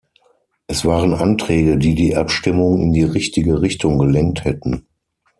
Es waren Anträge, die die Abstimmung in die richtige Richtung gelenkt hätten.